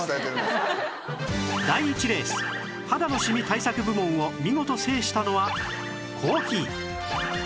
第１レース肌のシミ対策部門を見事制したのはコーヒー